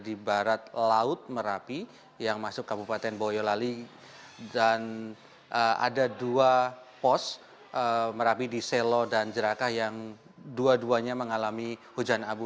di barat laut merapi yang masuk kabupaten boyolali dan ada dua pos merapi di selo dan jerakah yang dua duanya mengalami hujan abu